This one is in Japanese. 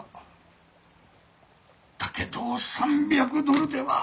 だけど３００ドルでは。